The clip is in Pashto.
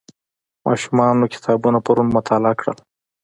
ما شپږ کتابونه پرون مطالعه کړل.